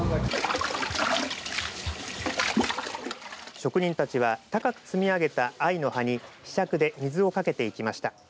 職人たちは高く積み上げた藍の葉にひしゃくで水をかけていきました。